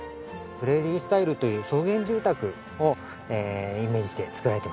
プレーリースタイルという草原住宅をイメージして造られてます。